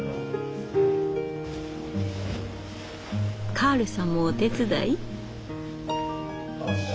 カールさんもお手伝い？